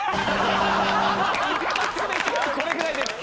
これぐらいです。